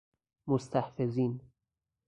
مستحفظین